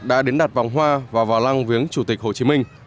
đã đến đặt vòng hoa và vào lăng viếng chủ tịch hồ chí minh